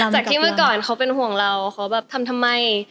จากที่เมื่อก่อนเขาเป็นห่วงเราเขาแบบทำทำไม